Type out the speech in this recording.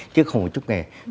chứ không có trung học nghề